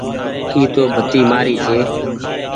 اي تو بتي مآري ڇي۔